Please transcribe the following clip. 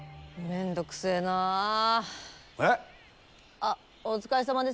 あっお疲れさまです。